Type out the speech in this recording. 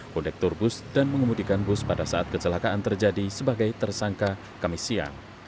kondektur bus dan mengemudikan bus pada saat kecelakaan terjadi sebagai tersangka kami siang